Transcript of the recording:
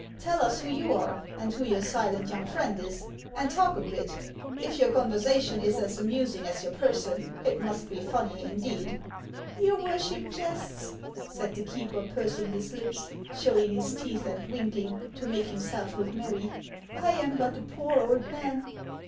Tell us who you are, and who your silent young friend is, and talk a bit. If your conversation is as amusing as your person, it must be funny indeed." " Your worship jests," said the keeper, pursing his lips, showing his teeth and winking, to make himself look merry. "I am but a poor old man."